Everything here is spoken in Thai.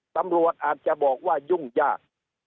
ตำรวจอาจจะบอกว่ายุ่งยาก